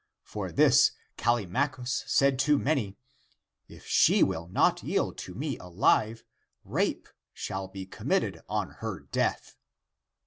For this Callimachus said to many. If she will not yield to me alive, rape shall be com mitted on her death.